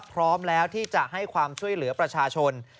พร้อมแล้วที่จะให้ความช่วยเหลือประชาชน